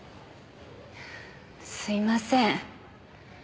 すいません。